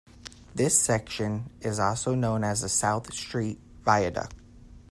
This section is also known as the South Street Viaduct.